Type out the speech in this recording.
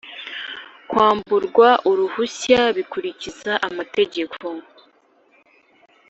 Kwamburwa uruhushya bikurikiza amategeko.